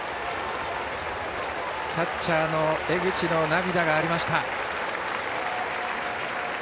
キャッチャーの江口の涙がありました。